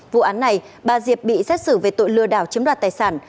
vụ án này bà diệp bị xét xử về tội lừa đảo chiếm đoạt tài sản